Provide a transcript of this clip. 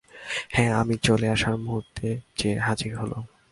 হ্যাঁ, আমি চলে আসার মুহূর্তে যেয়ে হাজির হলো।